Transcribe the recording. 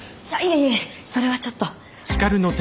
いえいえそれはちょっと。